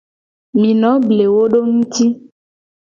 Mi no ble wo do nguti.